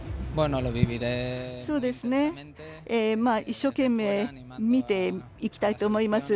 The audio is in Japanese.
一生懸命見ていきたいと思います。